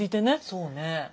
そうね。